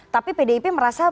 tapi pdip merasa